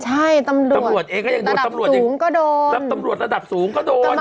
ใช่ตำรวจเองก็ยังโดนตำรวจระดับสูงก็โดน